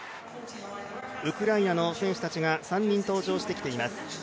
ウクライナの選手たちが３人登場してきています。